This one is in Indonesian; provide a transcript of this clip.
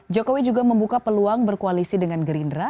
jokowi juga membuka peluang berkoalisi dengan gerindra